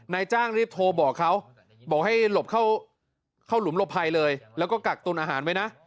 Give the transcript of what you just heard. นายจ้างรีบโทรบอกเขาบอกให้หลบเข้าหลุมหลบภัยเลยแล้วก็กักตุนอาหารไว้นะ